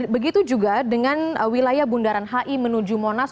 begitu juga dengan wilayah bundaran hi menuju monas